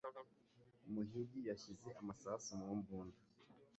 Umuhigi yashyize amasasu mu mbunda.